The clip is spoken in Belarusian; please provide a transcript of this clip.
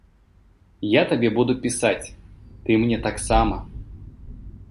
Я табе буду пісаць, ты мне таксама.